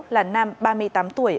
là nam ba mươi tám tuổi